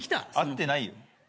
会ってない。